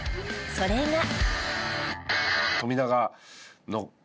それが。